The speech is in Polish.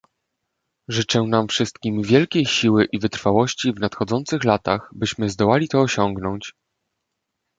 Życzę nam wszystkim wielkiej siły i wytrwałości w nadchodzących latach, byśmy zdołali to osiągnąć